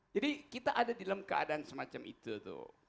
jadi kita ada di dalam keadaan semacam itu